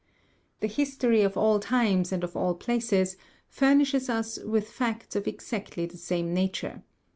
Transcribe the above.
The history of all times and of all places furnishes us with facts of exactly the same nature.